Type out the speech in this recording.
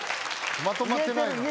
まとまってないよ。